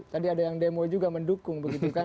tadi ada yang demo juga mendukung